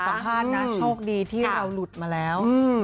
สัมภาษณ์นะโชคดีที่เราหลุดมาแล้ว